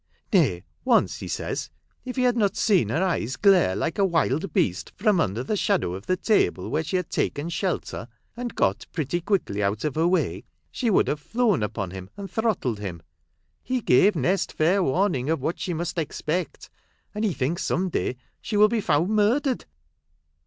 Nay, once, he says, if he had not seen her eyes glare like a wild beast, from under the shadow of the table where she had taken shelter, and got pretty quickly out of her way, she would have flown upon him and throttled him. He gave Nest fair warning of what she must expect, and he thinks some day she will be found murdered."